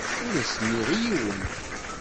Ur as-nniɣ i yiwen.